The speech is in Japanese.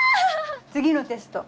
次のテスト。